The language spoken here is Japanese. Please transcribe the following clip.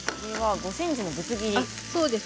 ５ｃｍのぶつ切りです。